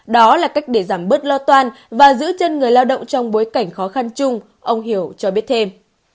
đó là cách để giảm bớt lo toan và giữ chân người lao động trong bối cảnh khó khăn chung ông hiểu cho biết thêm